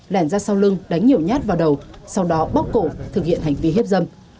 lèn ra sau lưng đánh nhiều nhát vào đầu sau đó bóc cổ thực hiện hành vi hiếp dâm